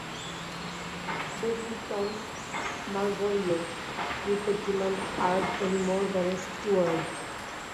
Though he taunts Malvolio with the demand Art any more than a steward?